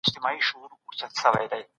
د ولسي جرګې استازي څوک کېدای سي؟